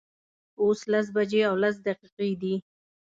اوس لس بجې او لس دقیقې دي